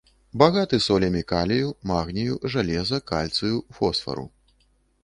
Багаты солямі калію, магнію, жалеза, кальцыю, фосфару.